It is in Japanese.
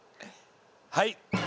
はい。